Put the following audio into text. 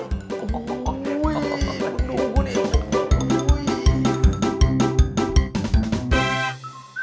โอ้โฮหนูนี่